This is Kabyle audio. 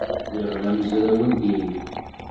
Lliɣ d amezraw n diri.